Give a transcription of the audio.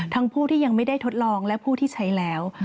ผู้ที่ยังไม่ได้ทดลองและผู้ที่ใช้แล้ว